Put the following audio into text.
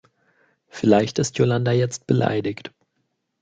Vielleicht ist Jolanda jetzt beleidigt.